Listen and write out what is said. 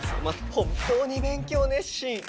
本当に勉強熱心！